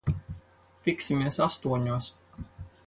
Tiksimies astoņos.